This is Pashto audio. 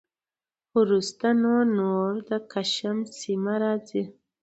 وروسته نو نور د کشم سیمه راخي